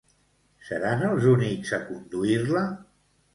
Seran els únics a conduir-la?